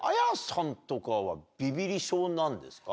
ＡＹＡさんとかはビビリ症なんですか？